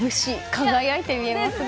輝いて見えますね。